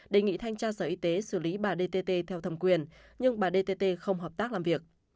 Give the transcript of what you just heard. đề nghị thanh tra sở y tế xử lý bà dtt theo thẩm quyền nhưng bà dt không hợp tác làm việc